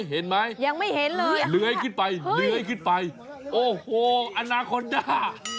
ยังไม่เห็นเลยนะครับค่ะโอ้โหอานาคอร์ด้า